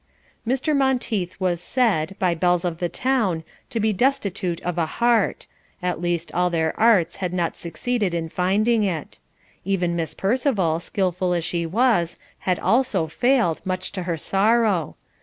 Mr. Monteith was said, by belles of the town, to be destitute of a heart at least all their arts had not succeeded in finding it; even Miss Percival, skilful as she was, had also failed, much to her sorrow.